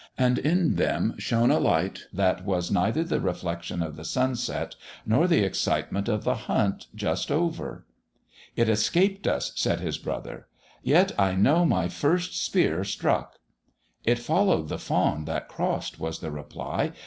And in them shone a light that was neither the reflection of the sunset, nor the excitement of the hunt just over. "It escaped us," said his brother. "Yet I know my first spear struck." "It followed the fawn that crossed," was the reply.